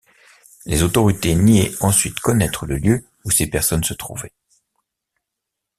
Les autorités niaient ensuite connaître le lieu où ces personnes se trouvaient.